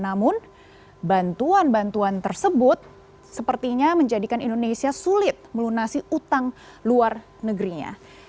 namun bantuan bantuan tersebut sepertinya menjadikan indonesia sulit melunasi utang luar negerinya